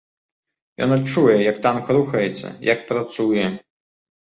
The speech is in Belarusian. Ён адчуе, як танк рухаецца, як працуе.